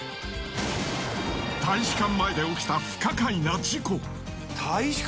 大使館前で起きた不可解な事故。